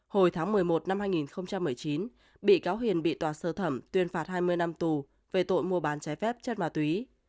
hồi tháng một mươi một năm hai nghìn một mươi chín bị cáo hiền bị tòa sơ thẩm tuyên phạt hai mươi năm tù về tội mua bán trái phép chất ma túy